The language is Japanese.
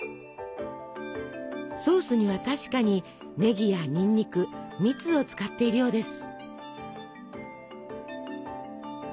ソースには確かにねぎやにんにく蜜を使っているようです。